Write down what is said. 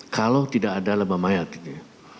kalau tidak ada lebem mayat itu